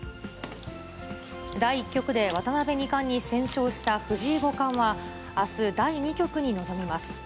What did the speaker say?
第１局で渡辺二冠に先勝した藤井五冠は、あす、第２局に臨みます。